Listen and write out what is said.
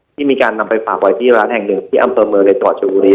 ที่มีการนำไปฝากไว้ที่ร้านแห่งหนึ่งที่อำเติมเมอร์ในต่อจุฮุรี